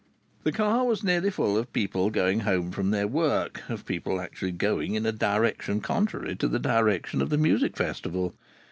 The car was nearly full of people going home from their work, of people actually going in a direction contrary to the direction of the Musical Festival.